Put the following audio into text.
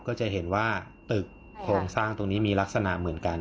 ก็จะเห็นว่าตึกโครงสร้างตรงนี้มีลักษณะเหมือนกัน